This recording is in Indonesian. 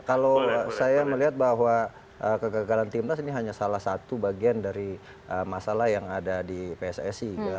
kalau saya melihat bahwa kegagalan timnas ini hanya salah satu bagian dari masalah yang ada di pssi